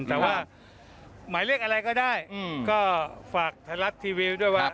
แต่ว่าหมายเลขอะไรก็ได้ก็ฝากไทยรัฐทีวีด้วยว่า